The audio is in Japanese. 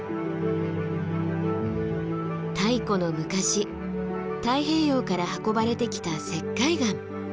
太古の昔太平洋から運ばれてきた石灰岩。